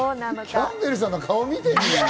キャンベルさんの顔、見てみ。